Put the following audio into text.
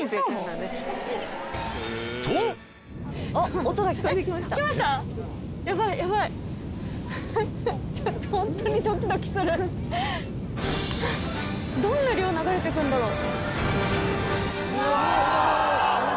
とどんな量流れて来るんだろう？